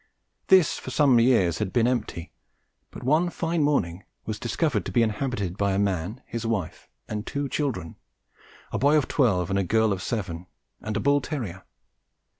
This for some years had been empty, but one fine morning was discovered to be inhabited by a man, his wife and two children a boy of twelve and a girl of seven and a bull terrier.